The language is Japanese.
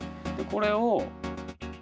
これを。